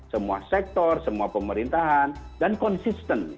semua sektor semua pemerintahan dan konsisten